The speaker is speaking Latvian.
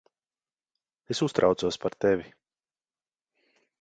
Es uztraucos par tevi.